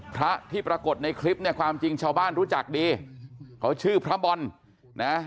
พระที่ปรากฏในคลิปเนี่ยความจริงชาวบ้านรู้จักดีเขาชื่อพระบอลนะ